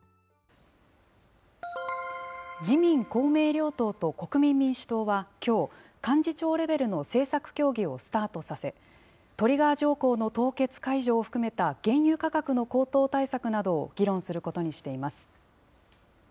自民、公明両党と国民民主党はきょう、幹事長レベルの政策協議をスタートさせ、トリガー条項の凍結解除を含めた原油価格の高騰対策などを議論することにしています。